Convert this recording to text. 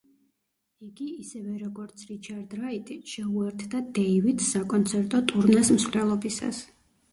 იგი, ისევე, როგორც რიჩარდ რაიტი, შეუერთდა დეივიდს საკონცერტო ტურნეს მსვლელობისას.